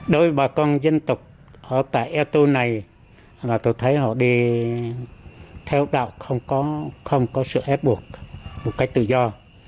đối với bà con dân tộc tại eto này là tôi thấy họ đi theo đạo không có sự ép buộc một cách tự do